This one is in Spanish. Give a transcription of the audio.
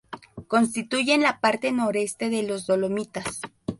Constituyen la parte noreste de los Dolomitas.